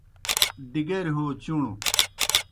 ڈِگریْ ہو چُݨوْ